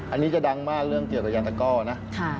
อันนี้จะดังมากเรื่องเกี่ยวกับยางตะก้อนะ